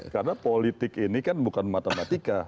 karena politik ini kan bukan matematika